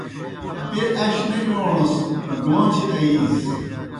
بیْہ اش نہ اِیوݨَس، ڈوݩچھیْ آیِیس۔